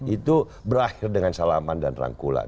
itu berakhir dengan salaman dan rangkulan